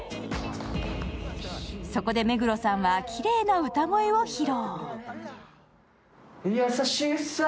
そこで目黒さんはきれいな歌声を披露。